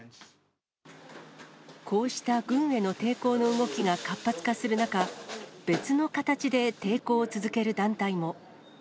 こうした軍への抵抗の動きが活発化する中、別の形で抵抗を続ける団体も。